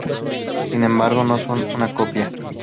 Sin embargo no son una copia.